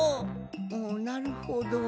おなるほど。